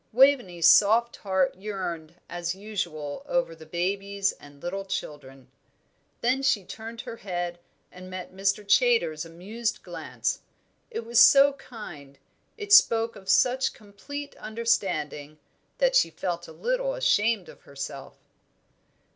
Waveney's soft heart yearned as usual over the babies and little children. Then she turned her head, and met Mr. Chaytor's amused glance it was so kind, it spoke of such complete understanding, that she felt a little ashamed of herself.